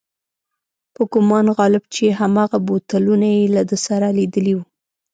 په ګومان غالب چې هماغه بوتلونه یې له ده سره لیدلي و.